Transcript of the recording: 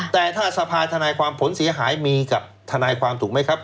แต่ถ้าสภาธนายความผลเสียหายมีกับทนายความถูกไหมครับ